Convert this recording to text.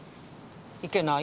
いけない？